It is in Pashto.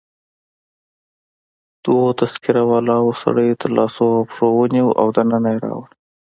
دوو تذکره والاو سړی تر لاسو او پښو ونیو او دننه يې راوړ.